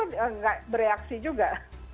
tidak bereaksi juga